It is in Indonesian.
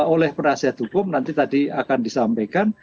oleh penasihat hukum nanti tadi akan disampaikan